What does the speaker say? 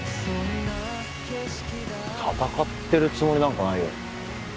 戦ってるつもりなんかないよ